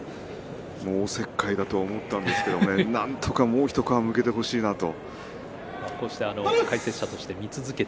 おせっかいだと思ったんですがなんとかもう一皮むけてほしいなと。